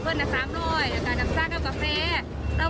พูดว่าคนอีกก็เห็นเม่าหรือเปล่า